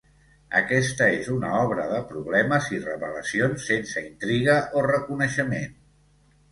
Aquesta és una obra de problemes i revelacions sense intriga o reconeixement.